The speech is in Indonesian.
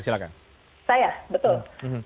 silahkan saya betul